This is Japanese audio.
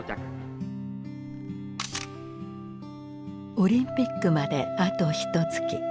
オリンピックまであとひとつき。